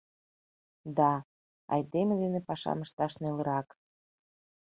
Да, айдеме дене пашам ышташ нелырак...